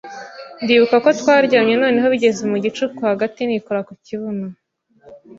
ndibuka ko twaryamye noneho bigeze mu gicuku hagati nikora ku kibuno